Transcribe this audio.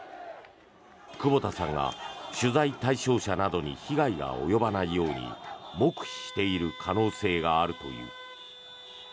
久保田さんが取材対象者などに被害が及ばないように黙秘している可能性があるという。